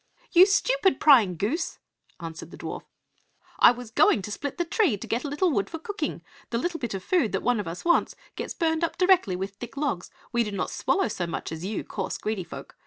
"You stupid, prying goose!" answered the dwarf; "I was going to split the tree to get a little wood for cooking. The little bit of food that one of us wants gets burnt up directly with thick logs; we do not swallow so much as you coarse, greedy folk.